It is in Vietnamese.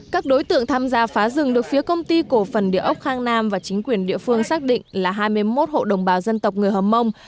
các đối tượng tham gia phá rừng được phía công ty cổ phần địa ốc khang nam và chính quyền địa phương xác định là hai mươi một hộ đồng bào dân tộc người hờ mông